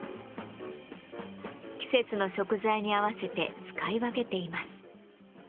季節の食材に合わせて使い分けています。